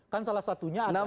kan salah satunya adalah